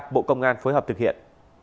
bộ công an phối hợp thực hiện